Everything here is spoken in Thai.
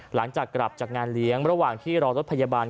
หลังจากกลับจากงานเลี้ยงระหว่างที่รอรถพยาบาล